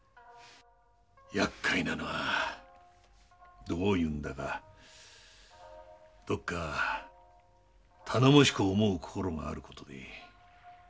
厄介なのはどういうんだかどっか頼もしく思う心がある事で。